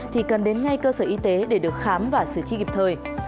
thì cần đến ngay cơ sở y tế để được khám và xử trí kịp thời